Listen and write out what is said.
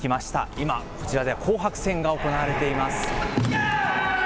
今、こちらでは紅白戦が行われています。